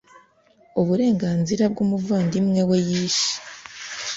Uburenganzira bw umuvandimwe we yishe